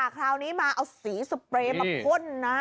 คราวนี้มาเอาสีสเปรย์มาพ่นนะ